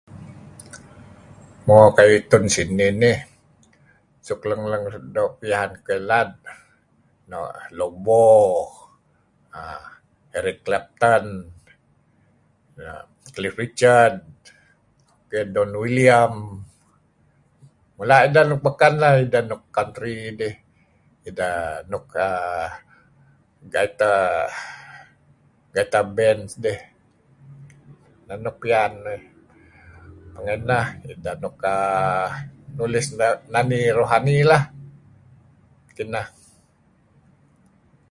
mo ku'ayu itun sinih nih suk leng leng do pian ukeh lad no' Lobo um Eric Clipton um Cliff Richard Don William mula ideh nuk beken deh nuk country dih ideh nuk um [unintelligible] [unintelligible] neh nuk pian uih pingen neh ideh nuk um nulis nani rohani leh kineh